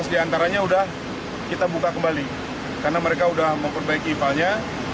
lima belas diantaranya sudah kita buka kembali karena mereka sudah memperbaiki ipalnya